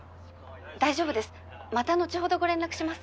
大丈夫ですまた後ほどご連絡します。